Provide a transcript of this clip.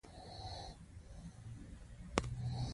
هغه پوهیده چې بم د هغه د شرمولو لامل شوی دی